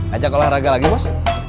ajak olahraga lagi bos